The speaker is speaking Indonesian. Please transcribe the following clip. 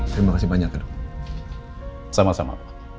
terima kasih banyak aduh sama sama